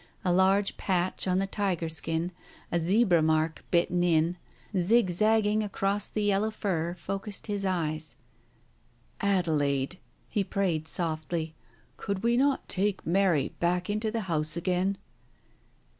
A large patch on the tiger skin, a zebra mark bitten in, zig zagging across the yellow fur, focussed his eyes. ... "Adelaide," he prayed softly, "could we not take Mary back into the house again